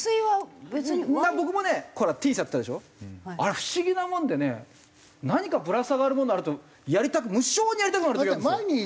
あれ不思議なもんでね何かぶら下がるものがあると無性にやりたくなる時があるんですよ。